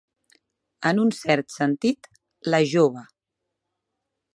En un cert sentit, la jove.